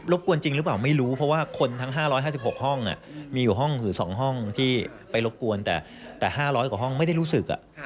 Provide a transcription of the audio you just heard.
รบกวนจริงหรือเปล่าไม่รู้